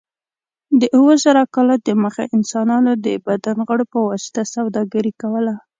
د اوه زره کاله دمخه انسانانو د بدن غړو په واسطه سوداګري کوله.